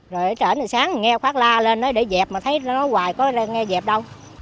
rồi trển thì sáng nghe khoác la lên đó để dẹp mà thấy nó hoài có ra nghe dẹp đâu